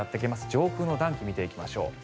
上空の暖気見ていきましょう。